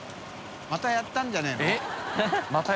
またやったんじゃねぇの？